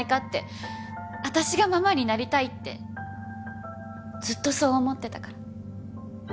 私がママになりたいってずっとそう思ってたから。